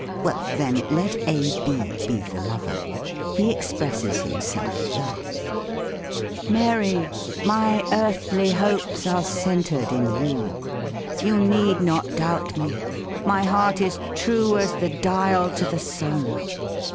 Well, then, let A. B. be the lover. He expresses himself thus : "Mary, my earthly hopes are centred in you. You need not doubt me ; my heart is true as the dial to the sun.